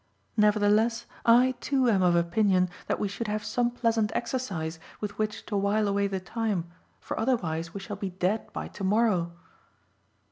Nevertheless, I too am of opinion that we should have some pleasant exercise with which to while away the time, for otherwise we shall be dead by to morrow."